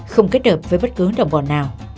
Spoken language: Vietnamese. không kết hợp với bất cứ đồng bọn nào